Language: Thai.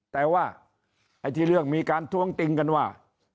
แต่ว่าไอ้ที่เรื่องมีการท้วงติงกันว่า